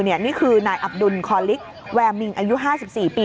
นี่คือนายอับดุลคอลิกแวร์มิงอายุ๕๔ปี